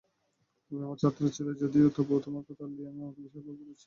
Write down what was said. তুমি আমার ছাত্র ছিলে যদিও, তবুও তোমার কথা লিয়াং আমাকে বিশেষভাবে বলেছে।